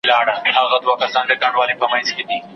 خړي څانګي تور زاغان وای